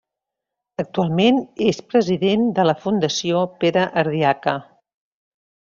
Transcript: Actualment és president de la Fundació Pere Ardiaca.